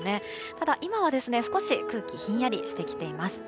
ただ、今は少し空気がひんやりしてきています。